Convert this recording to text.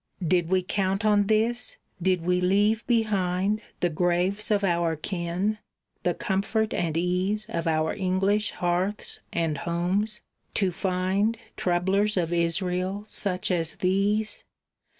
"Did we count on this? Did we leave behind The graves of our kin, the comfort and ease Of our English hearths and homes, to find Troublers of Israel such as these?